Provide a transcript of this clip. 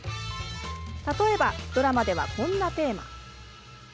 例えば、ドラマではこんなテーマ。